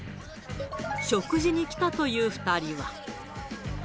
食事に来たという２人は。